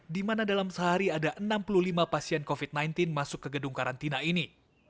di mana dalam sehari ada enam puluh lima pasien covid sembilan belas masuk ke gedung karantina ini